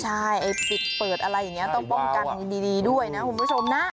ใช่ปิดเปิดอะไรอย่างนี้ต้องป้องกันดีด้วยนะคุณผู้ชมนะ